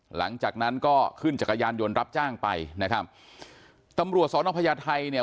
หลังจากนั้นก็ขึ้นจักรยานยนต์รับจ้างไปนะครับตำรวจสอนอพญาไทยเนี่ย